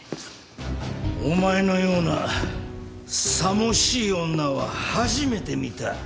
お前のようなさもしい女は初めて見た。